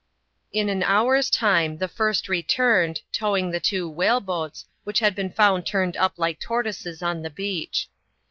In an hour's time the first returned, towing the two whale boats, which had been found turned up like tortoises on the beach.